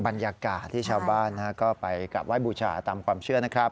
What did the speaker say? บรรยากาศที่ชาวบ้านก็ไปแวะบุญชาตามความเชื่อ